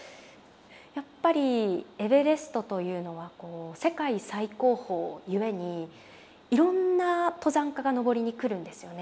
やっぱりエベレストというのはこう世界最高峰ゆえにいろんな登山家が登りに来るんですよね。